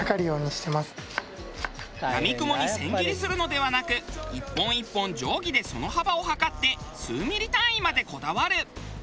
やみくもに千切りするのではなく１本１本定規でその幅を測って数ミリ単位までこだわる。